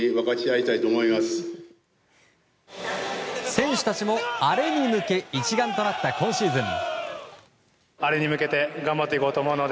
選手たちもアレに向け一丸となった今シーズン。